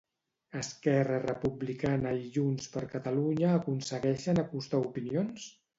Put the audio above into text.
Esquerra Republicana i Junts per Catalunya aconsegueixen acostar opinions?